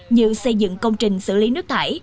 như xây dựng công trình xử lý nước thải